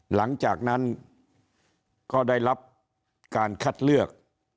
หลังจากนั้นก็ได้รับการคัดเลือก